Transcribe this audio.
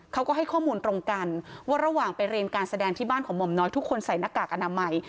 เขาก็ให้ข้อมูลตรงกันว่าระหว่างไปเรียนการแสดงที่บ้านของหม่อมน้อยทุกคนใส่หน้ากากอนามัย